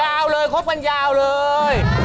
ยาวเลยคบกันยาวเลย